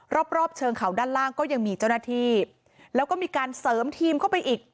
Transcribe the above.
รอบรอบเชิงเขาด้านล่างก็ยังมีเจ้าหน้าที่แล้วก็มีการเสริมทีมเข้าไปอีก